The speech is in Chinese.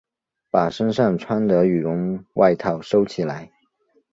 把身上穿的羽绒外套收起来